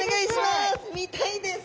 見たいです！